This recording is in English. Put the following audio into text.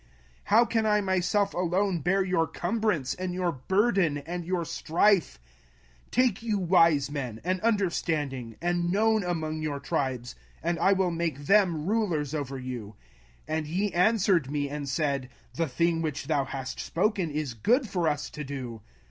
05:001:012 How can I myself alone bear your cumbrance, and your burden, and your strife? 05:001:013 Take you wise men, and understanding, and known among your tribes, and I will make them rulers over you. 05:001:014 And ye answered me, and said, The thing which thou hast spoken is good for us to do.